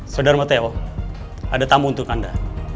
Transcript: saudara teo ada tamu untuk anda